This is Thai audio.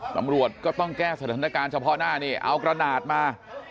ตำรวจก็ต้องแก้สถานการณ์เฉพาะหน้านี่เอากระดาษมา